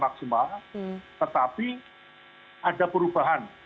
maksimal tetapi ada perubahan